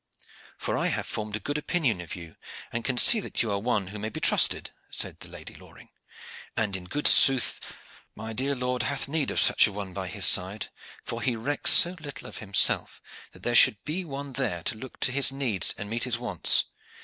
"For I have formed a good opinion of you, and can see that you are one who may be trusted," said the Lady Loring. "And in good sooth my dear lord hath need of such a one by his side, for he recks so little of himself that there should be one there to look to his needs and meet his wants.